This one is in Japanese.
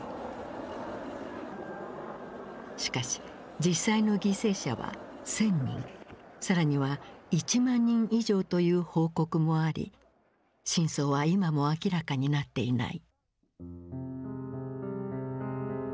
しかし実際の犠牲者は１，０００人更には１万人以上という報告もあり真相は今も明らかになっていない。